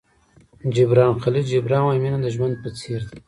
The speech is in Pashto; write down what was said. جبران خلیل جبران وایي مینه د ژوند په څېر ده.